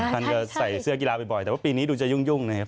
ท่านก็ใส่เสื้อกีฬาบ่อยแต่ว่าปีนี้ดูจะยุ่งนะครับ